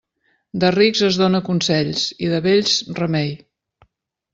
De rics es dóna consells i de vells remei.